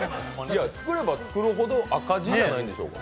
作れば作るほど赤字じゃないでしょうか？